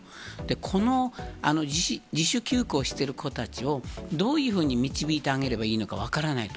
この自主休校してる子たちを、どういうふうに導いてあげればいいのか分からないと。